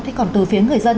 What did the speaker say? thế còn từ phía người dân